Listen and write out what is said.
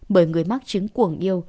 bởi người mắc chứng cuồng yêu